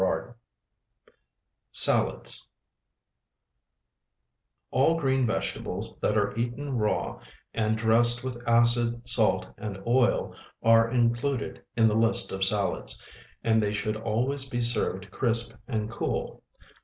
SALADS SALADS All green vegetables that are eaten raw and dressed with acid, salt, and oil, are included in the list of salads, and they should always be served crisp and cool.